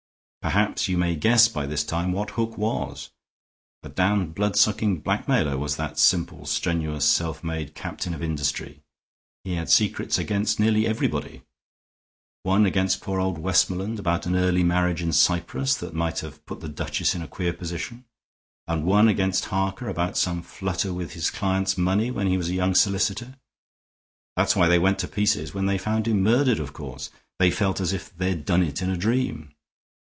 Perhaps you may guess by this time what Hook was. A damned blood sucking blackmailer was that simple, strenuous, self made captain of industry. He had secrets against nearly everybody; one against poor old Westmoreland about an early marriage in Cyprus that might have put the duchess in a queer position; and one against Harker about some flutter with his client's money when he was a young solicitor. That's why they went to pieces when they found him murdered, of course. They felt as if they'd done it in a dream.